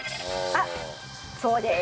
あっそうです。